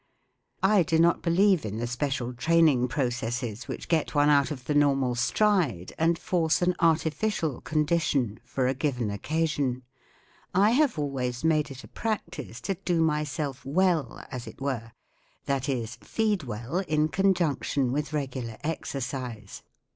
I do not believe in the special training processes which get one out of the normal Stride and force an artificial condition for a given occasion* I have always made it a practice to do myself weU. as it were—that is, feed well in con¬ junction with regular exercise.